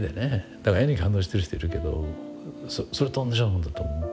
だから絵に感動してる人いるけどそれと同じようなもんだと思う。